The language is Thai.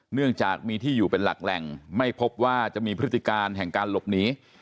เนื่องจากมีที่อยู่เป็นหลักแหล่งไม่พบว่าจะมีพฤติการแห่งการหลบหนี